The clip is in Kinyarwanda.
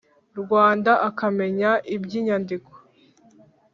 Rwanda akamenya iby inyandiko